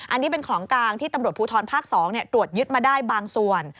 อันนี้เป็นของกลางที่ตำรวจภูทรภาค๒ตรวจยึดมาได้บางส่วน